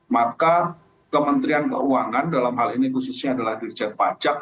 maka kementerian keuangan dalam hal ini khususnya adalah dirjen pajak